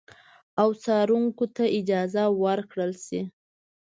او څارونکو ته اجازه ورکړل شي